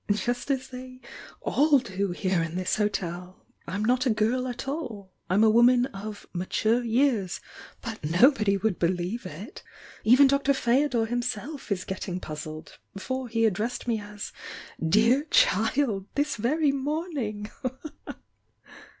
"Just as they all do here in this hotel! I'm not a girl at all — I'm a woman of 'mature years,' but nobody would laelieve it! Even Dr. Ftedor himself is getting puzzled — for he addressed me as 'dear child' this very morning!"